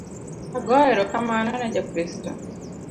Agoyo erokamano ne jo Kristo